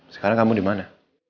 sekarang kamu dimana